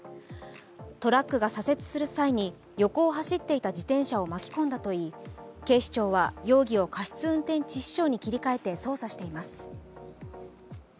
トラックが左折する際に横を走っていた自転車を巻き込んだといい警視庁は容疑を過失運転致死傷に切り替えて捜査しています。